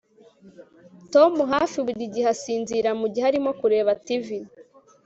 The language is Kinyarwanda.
Tom hafi buri gihe asinzira mugihe arimo kureba TV